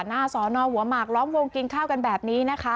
หน้าสอนอหัวหมากล้อมวงกินข้าวกันแบบนี้นะคะ